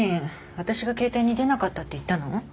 私が携帯に出なかったって言ったの？